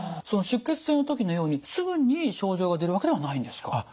その出血性の時のようにすぐに症状が出るわけではないんですか？